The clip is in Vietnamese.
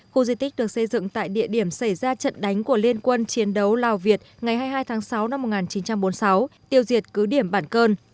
khu di tích được xây dựng tại địa điểm xảy ra trận đánh của liên quân chiến đấu lào việt ngày hai mươi hai tháng sáu năm một nghìn chín trăm bốn mươi sáu tiêu diệt cứ điểm bản cơn